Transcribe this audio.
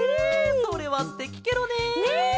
それはすてきケロね！ね！